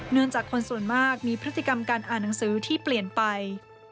จากคนส่วนมากมีพฤติกรรมการอ่านหนังสือที่เปลี่ยนไป